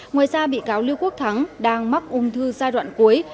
ngoài ra bị cáo lưu quốc thắng đang mắc ung thư giai đoạn cuối